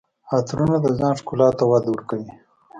عطرونه د ځان ښکلا ته وده ورکوي.